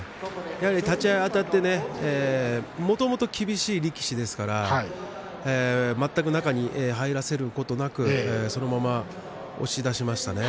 立ち合いあたってもともと厳しい力士ですから全く中に入らせることなくそのまま押し出しましたね。